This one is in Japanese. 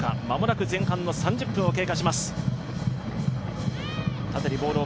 間もなく前半の３０分を経過します。